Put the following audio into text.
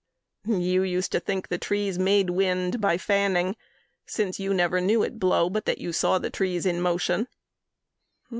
You used to think the trees Made wind by fanning since you never knew It blow but that you saw the trees in motion.